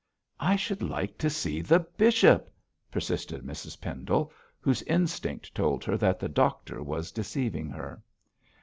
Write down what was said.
'I should like to see the bishop,' persisted Mrs Pendle, whose instinct told her that the doctor was deceiving her.